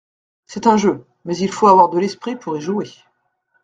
C’est un jeu ; mais il faut avoir de l’esprit pour y jouer…